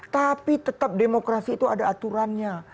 tapi tetap demokrasi itu ada aturannya